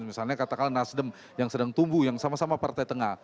misalnya katakanlah nasdem yang sedang tumbuh yang sama sama partai tengah